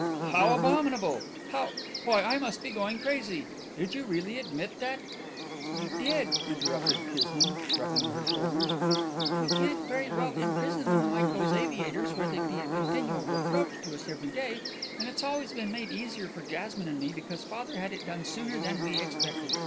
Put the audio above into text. "How abominable! How why, I must be going crazy! Did you really admit that " "I did," interrupted Kismine, shrugging her shoulders. "We can't very well imprison them like those aviators, where they'd be a continual reproach to us every day. And it's always been made easier for Jasmine and me, because father had it done sooner than we expected.